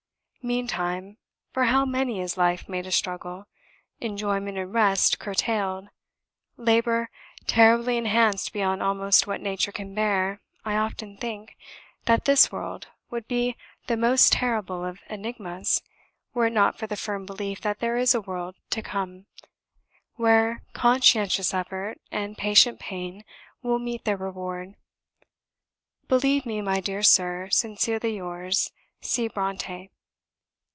Meantime, for how many is life made a struggle; enjoyment and rest curtailed; labour terribly enhanced beyond almost what nature can bear I often think that this world would be the most terrible of enigmas, were it not for the firm belief that there is a world to come, where conscientious effort and patient pain will meet their reward. Believe me, my dear Sir, sincerely yours, C. BRONTË."